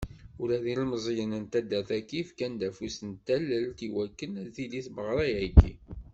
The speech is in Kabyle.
Ula ilmeẓyen n taddart-agi fkan-d afus n tallelt, i wakken ad tili tmeɣra-agi..